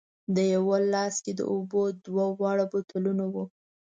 د یوه په لاس کې د اوبو دوه واړه بوتلونه وو.